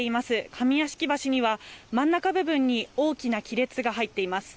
上屋敷橋には真ん中部分に大きな亀裂が入っています。